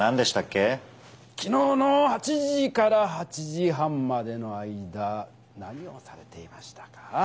きのうの８時８時半までの間何をされていましたか？